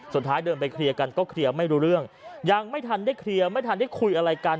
เดินไปเคลียร์กันก็เคลียร์ไม่รู้เรื่องยังไม่ทันได้เคลียร์ไม่ทันได้คุยอะไรกัน